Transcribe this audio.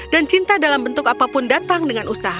dan cinta dalam bentuk apapun datang dengan usaha